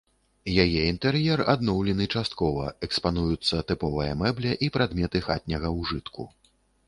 Яе інтэр'ер адноўлены часткова, экспануюцца тыповая мэбля і прадметы хатняга ўжытку.